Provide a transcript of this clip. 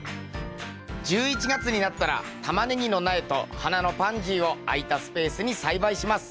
１１月になったらタマネギの苗と花のパンジーを空いたスペースに栽培します。